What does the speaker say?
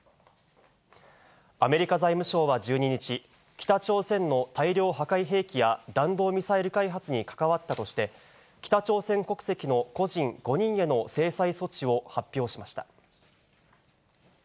アメリカ財務省は１２日、北朝鮮の大量破壊兵器や弾道ミサイル開発に関わったとして、北朝鮮国籍の個人５人への制裁措置を発表しました。